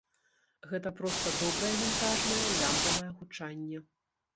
Гэта проста добрае вінтажнае лямпавае гучанне.